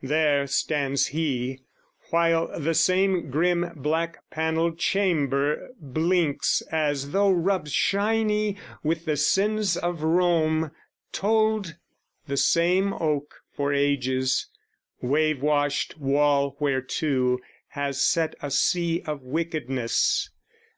There stands he, While the same grim black panelled chamber blinks As though rubbed shiny with the sins of Rome Told the same oak for ages wave washed wall Whereto has set a sea of wickedness.